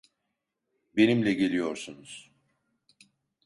Benimle geliyorsunuz.